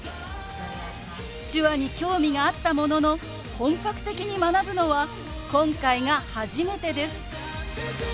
手話に興味があったものの本格的に学ぶのは今回が初めてです。